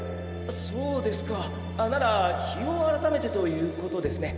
そうですかなら日を改めてということですね。